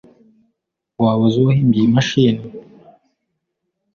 Waba uzi uwahimbye iyi mashini?